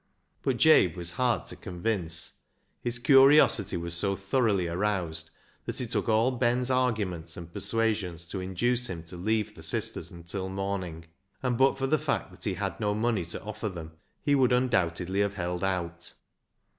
But Jabe was hard to convince. His curiosity was so thor oughly aroused that it took all Ben's arguments and persuasions to induce him to leave the sisters until the morning; and but for the fact that he had no money to offer them, he would undoubtedly have held out.